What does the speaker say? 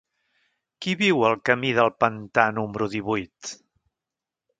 Qui viu al camí del Pantà número divuit?